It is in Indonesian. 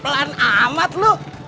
pelan amat lu